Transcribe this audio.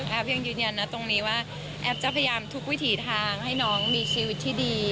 ยังยืนยันนะตรงนี้ว่าแอฟจะพยายามทุกวิถีทางให้น้องมีชีวิตที่ดี